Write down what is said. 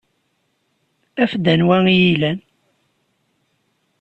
Af-d anwa ay iyi-ilan.